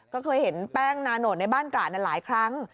ก็เคยเห็นแป้งนาโนดในบ้านตราดหลายครั้ง